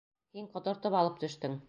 Һин ҡотортоп алып төштөң!